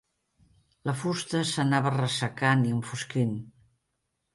La fusta s'anava ressecant i enfosquint.